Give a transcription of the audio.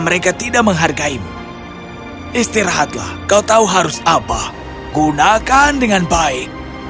mereka tidak menghargaimu istirahatlah kau tahu harus apa gunakan dengan baik